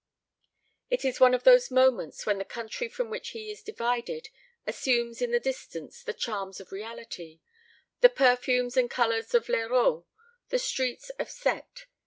It is one of those moments when the country from which he is divided assumes in the distance the charms of reality the perfumes and colors of l'Herault, the streets of Cette.